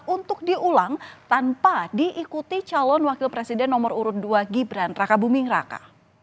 untuk diulang tanpa diikuti calon wakil presiden nomor urut dua gibran raka buming raka